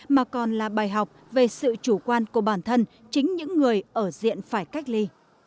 mà còn là bài học về sự chủ quan của bản thân chính những người ở diện phải cách ly